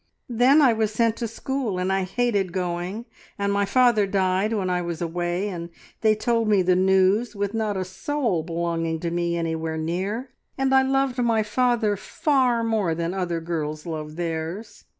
Then I was sent to school, and I hated going, and my father died when I was away, and they told me the news with not a soul belonging to me anywhere near, and I loved my father far more than other girls love theirs!